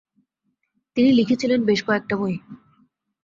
তিনি লিখেছিলেন বেশ কয়েকটা বই।